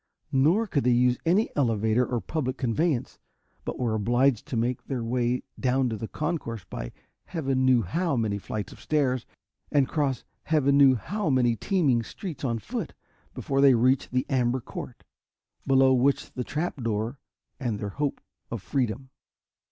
Nor could they use any elevator or public conveyances, but were obliged to make their way down to the concourse by heaven knew how many flights of stairs, and cross heaven knew how many teeming streets on foot, before they reached the amber court, below which the trap door and their hope of freedom.